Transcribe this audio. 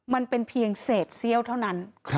มันเป็นเพียงเศษเซี่ยวเท่านั้น